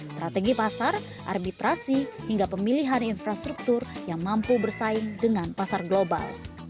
strategi pasar arbitrasi hingga pemilihan infrastruktur yang mampu bersaing dengan pasar global